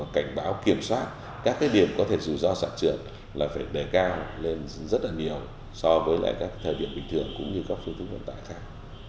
cảnh báo kiểm soát các cái điểm có thể dù do sạt trượt là phải đề cao lên rất là nhiều so với lại các thời điểm bình thường cũng như các phương thức vận tải khác